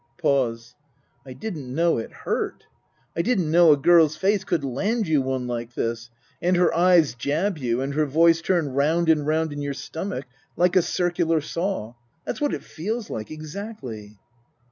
Pause. " I didn't know it hurt. I didn't know a girl's face could land you one like this, and her eyes jab you, and her voice turn round and round in your stomach like a circular saw. That's what it feels like. Exactly.